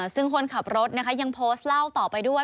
ซึ่งคนขับรถนะคะยังโพสต์เล่าต่อไปด้วย